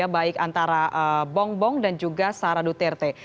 baik antara bom bom dan juga sarah duterte